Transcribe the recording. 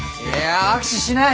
握手しない。